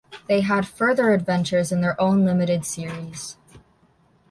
They had further adventures in their own limited series.